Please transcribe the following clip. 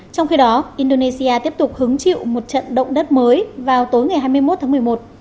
trong khi đó indonesia tiếp tục hứng chịu một trận động đất mới vào tối ngày hai mươi một tháng một mươi một